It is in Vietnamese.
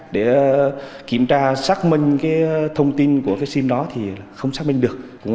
để kiểm tra xác minh thông tin của sim đó thì không xác minh được